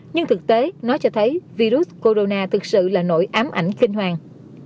nhưng thực tế nó cho thấy virus corona thực sự là nỗi ám ảnh kinh hoàng